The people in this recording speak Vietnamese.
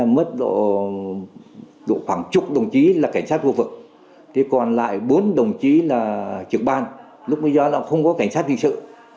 mất khoảng chục đồng chí là cảnh sát khu vực còn lại bốn đồng chí là trực ban lúc bây giờ là không có cảnh sát viện sự